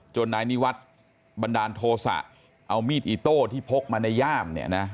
นายนิวัฒน์บันดาลโทษะเอามีดอิโต้ที่พกมาในย่ามเนี่ยนะ